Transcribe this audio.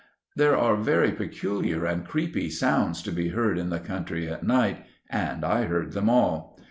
There are very peculiar and creepy sounds to be heard in the country at night, and I heard them all.